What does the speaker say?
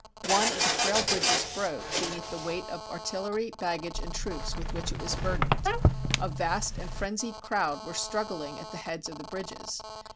One of the frail bridges broke beneath the weight of ar tillery, baggage, and troops with which it was burdened. A vast and frenzied crowd were struggling at the heads of the bridges.